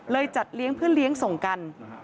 จัดเลี้ยงเพื่อเลี้ยงส่งกัน